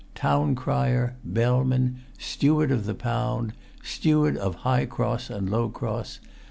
Town Crier. Bellman. Steward of the Pound. Steward of High Cross and Low Cross.